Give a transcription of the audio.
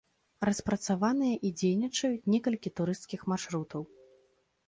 Распрацаваныя і дзейнічаюць некалькі турысцкіх маршрутаў.